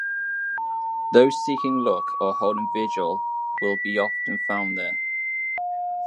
Those seeking luck or holding vigil will often be found there.